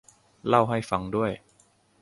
เล่าให้ฟังด้วย